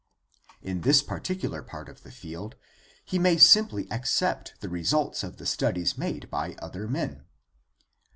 In this particular part of the field he may simply accept the results of the studies made by other men.